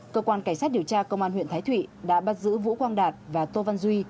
cơ quan cảnh sát điều tra công an huyện thái thụy đã bắt giữ vũ quang đạt và tô văn duy